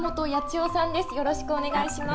よろしくお願いします。